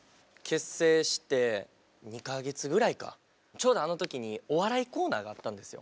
ちょうどあの時にお笑いコーナーがあったんですよ。